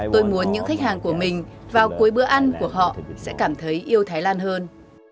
tôi muốn những khách hàng của mình vào cuối bữa ăn của họ sẽ cảm thấy yêu thái lan hơn